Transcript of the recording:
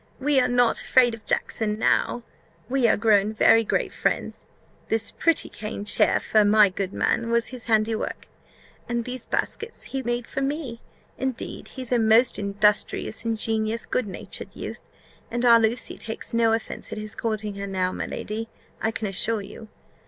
We are not afraid of Jackson now; we are grown very great friends. This pretty cane chair for my good man was his handiwork, and these baskets he made for me. Indeed, he's a most industrious, ingenious, good natured youth; and our Lucy takes no offence at his courting her now, my lady, I can assure you.